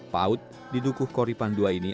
paut di dukuh koripan ii ini